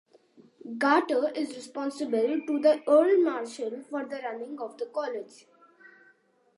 Garter is responsible to the Earl Marshal for the running of the College.